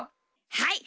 はい！